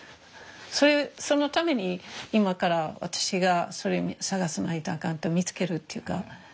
そのために今から私がそれを探さないとあかん見つけるっていうか。